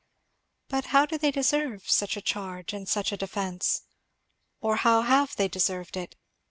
"But how do they deserve such a charge and such a defence? or how have they deserved it?"